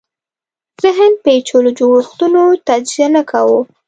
ذهن پېچلو جوړښتونو تجزیه نه کاوه